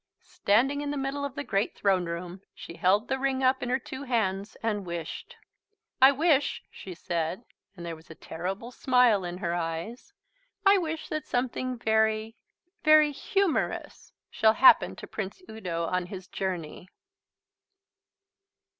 Standing in the middle of the great Throne Room, she held the ring up in her two hands and wished. "I wish," she said, and there was a terrible smile in her eyes, "I wish that something very very humorous shall happen to Prince Udo on his journey."